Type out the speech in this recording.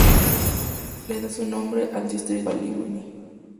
Le da su nombre al distrito de Sipaliwini.